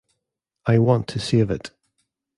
I want to save it.